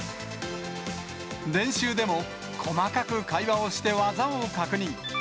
練習でも、細かく会話をして、技を確認。